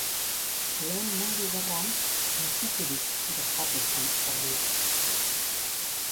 Lehen Mundu Gerran, suntsiturik gertatu zen herria.